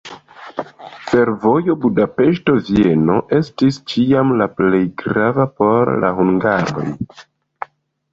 Fervojo Budapeŝto-Vieno estis ĉiam la plej grava por la hungaroj.